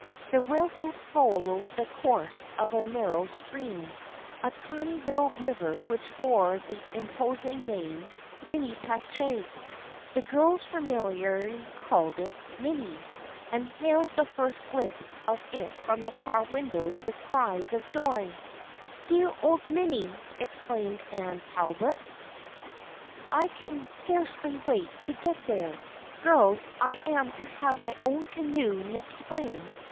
The railroad followed the course of a nar row stream, a tiny little river which bore the im posing name of the Minnepachague. The girls familiarly called it " Minny," and hailed the first glimpse of it from the car windows with cries of joy "Dear old Minny!" exclaimed Anne Talbot. 26 THE FRIENDSHIP OF ANNE " I can scarcely wait to get there. Girls, I am to have my own canoe next spring.